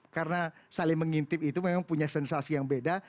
karena saling mengintip itu memang punya sensasi yang beda